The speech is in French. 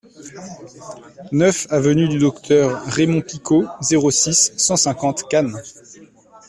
neuf avenue du Docteur Raymond Picaud, zéro six, cent cinquante, Cannes